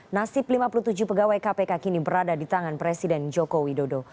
nasib lima puluh tujuh pegawai kpk kini berada di tangan presiden joko widodo